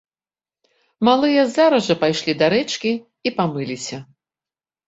Малыя зараз жа пайшлі да рэчкі і памыліся.